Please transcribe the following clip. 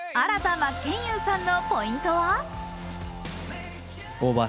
真剣佑さんのポイントは？